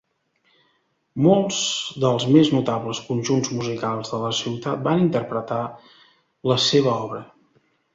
Molts dels més notables conjunts musicals de la ciutat van interpretar la seva obra.